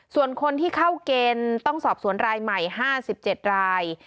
ส่วนคนที่เข้าเกณฑ์ต้องสอบสวนรายใหม่๕๗ราย